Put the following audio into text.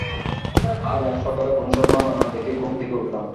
আর আজ সকালে, কোনো স্বপ্ন না দেখেই ঘুম থেকে উঠলাম?